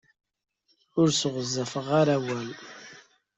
Ur sɣezfeɣ ara awal.